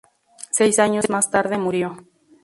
Seis años más tarde murió.